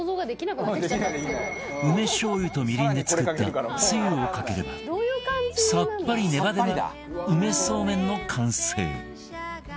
梅しょう油とみりんで作ったつゆをかければさっぱりネバネバ梅そうめんの完成